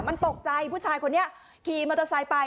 มันตกใจผู้ชายคนนี้ขี่มอเตอร์ไซค์ไป